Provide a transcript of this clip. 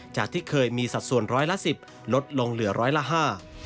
จากที่เคยมีสัดส่วนร้อยละสิบลดลงเหลือร้อยละห้า